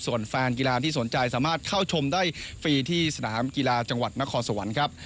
ส่วนแฟนกีฬาที่สนใจสามารถเข้าชมได้ฟรีที่สนามกีฬาจังหวัดนครสวรรค์ครับ